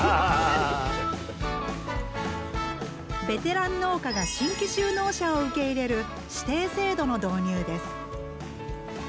ベテラン農家が新規就農者を受け入れる「師弟制度」の導入です。